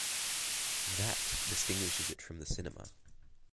That distinguishes it from the cinema.